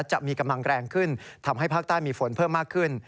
จะมีกำลังแรงขึ้นทำให้ภาคใต้มีฝนเพิ่มมากขึ้น